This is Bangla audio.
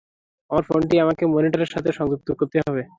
আমার ফোনটি তোমাকে মনিটরের সাথে সংযুক্ত করতে হবে।